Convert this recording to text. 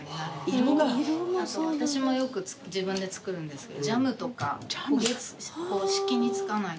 あと私もよく自分で作るんですけどジャムとか焦げしきにつかない。